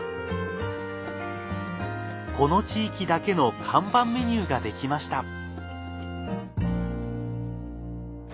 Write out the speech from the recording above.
この地域だけの看板メニューができました。